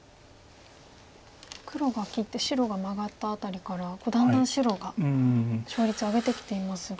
黒が切って白がマガったあたりからだんだん白が勝率上げてきていますが。